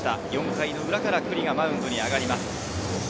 ４回裏から九里がマウンドに上がります。